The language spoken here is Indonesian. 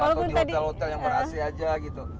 atau di hotel hotel yang berasi aja gitu